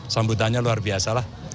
sambutannya luar biasa lah